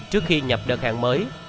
trước khi nhập đợt hàng mới